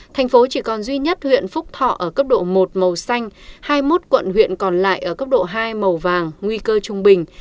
thành phố chỉ còn duy nhất huyện phúc thọ ở cấp độ một màu xanh hai mươi một quận huyện còn lại ở cấp độ hai màu vàng nguy cơ trung bình